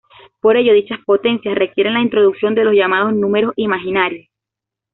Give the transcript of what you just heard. Por ello dichas potencias requieren la introducción de los llamados números imaginarios.